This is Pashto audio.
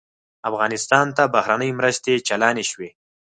افغانستان ته بهرنۍ مرستې چالانې شوې.